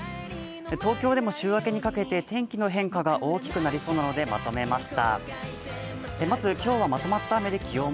東京でも週明けにかけて天気の変化が大きくなりそうなので、まとめました。